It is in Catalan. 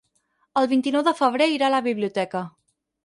El vint-i-nou de febrer irà a la biblioteca.